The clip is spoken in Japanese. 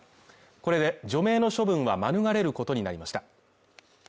これで除名の処分は免れることになりました。